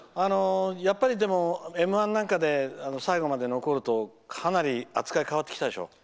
やっぱり、「Ｍ‐１」なんかで最後まで残るとかなり扱い変わってきたでしょ。